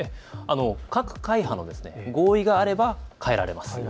各会派の合意があれば変えられます。